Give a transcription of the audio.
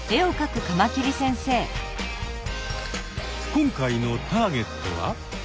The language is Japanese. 今回のターゲットは。